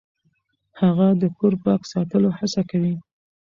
هغه د کور پاک ساتلو هڅه کوي.